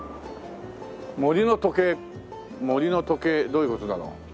「森の時計」森の時計どういう事だろう？